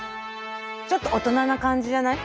ちょっと大人な感じじゃない？